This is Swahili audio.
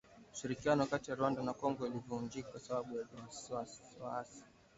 Ushirikiano kati ya Rwanda na Kongo ulivunjika sababu ya waasi.